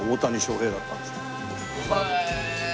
へえ！